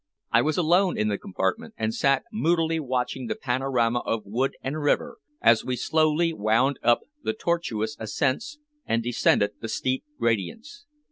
I was alone in the compartment, and sat moodily watching the panorama of wood and river as we slowly wound up the tortuous ascents and descended the steep gradients.